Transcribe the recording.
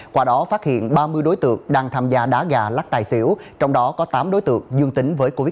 qua đó phát hiện ba mươi đối tượng đang tham gia đá gà lắc tài xỉu trong đó có tám đối tượng dương tính với covid một mươi chín